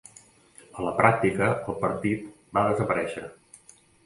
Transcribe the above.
A la pràctica el partit, va desaparèixer.